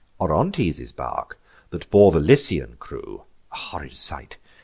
Orontes' bark, that bore the Lycian crew, (A horrid sight!)